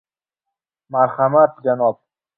Marhamat janob: